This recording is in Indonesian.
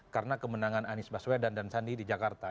karena kemenangan anies baswedan dan sandi di jakarta